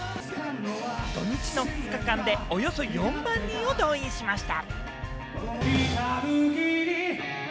土日の２日間で、およそ４万人を動員しました。